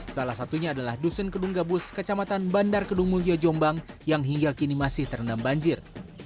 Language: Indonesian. salah satunya adalah dusun kedung gabus kecamatan bandar kedung mulyo jombang yang hingga kini masih terendam banjir